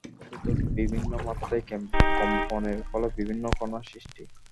সুতোর বিভিন্ন মাত্রায় কম্পনের ফলে বিভিন্ন কণার সৃষ্টি।